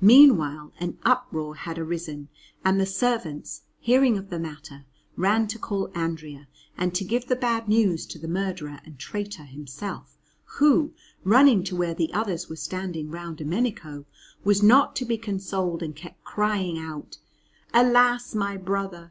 Meanwhile an uproar had arisen, and the servants, hearing of the matter, ran to call Andrea and to give the bad news to the murderer and traitor himself, who, running to where the others were standing round Domenico, was not to be consoled, and kept crying out: "Alas, my brother!